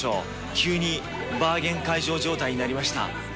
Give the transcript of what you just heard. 急にバーゲン会場状態になりました。